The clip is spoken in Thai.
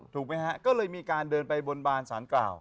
ถูกไหมฮะก็เลยมีการเดินไปบนบานสารกล่าว